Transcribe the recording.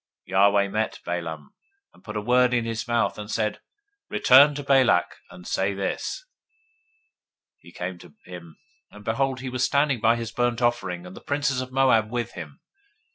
023:016 Yahweh met Balaam, and put a word in his mouth, and said, Return to Balak, and thus shall you speak. 023:017 He came to him, and behold, he was standing by his burnt offering, and the princes of Moab with him.